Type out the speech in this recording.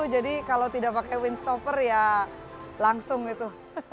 jadi kalau tidak pakai windsoffer ya langsung gitu